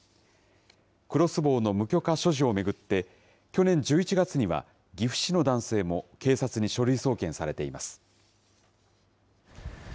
クロスボウの無許可所持を巡って、去年１１月には、岐阜市の男性も警察に書類送検されています。